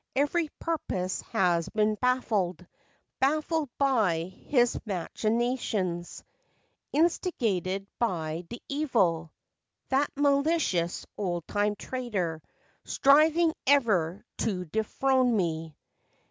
Every purpose has been baffled, Baffled by his machinations, FACTS AND FANCIES. 97 Instigated by d'Evil, That malicious, old time traitor, Striving ever to dethrone Me.